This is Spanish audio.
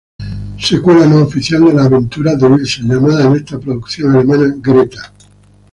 Secuela no oficial de las aventuras de Ilsa, llamada en esta producción alemana Greta.